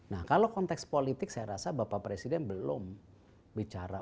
nah kalau konteks politik saya rasa bapak presiden belum bicara